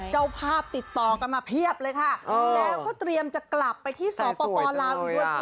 เจ้าภาพติดต่อกันมาเพียบเลยค่ะแล้วก็เตรียมจะกลับไปที่สปลาวอีกด้วย